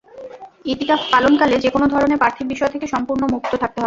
ইতিকাফ পালনকালে যেকোনো ধরনের পার্থিব বিষয় থেকে সম্পূর্ণ মুক্ত থাকতে হবে।